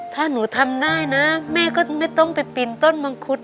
ถ้าหนูทำได้นะแม่ก็ไม่ต้องไปปีนต้นมังคุด